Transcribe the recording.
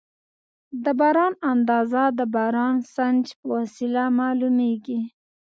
د باران اندازه د بارانسنج په وسیله معلومېږي.